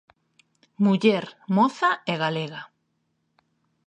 Muller, moza e galega.